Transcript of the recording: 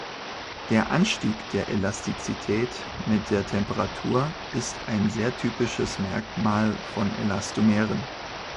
Der Anstieg der Elastizität mit der Temperatur ist ein sehr typisches Merkmal von Elastomeren.